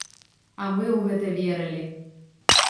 А мы ў гэта верылі.